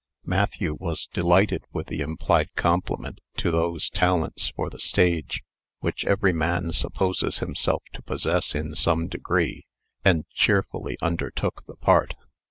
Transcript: Matthew was delighted with the implied compliment to those talents for the stage which every man supposes himself to possess in some degree, and cheerfully undertook the part.